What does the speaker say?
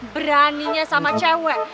beraninya sama cewek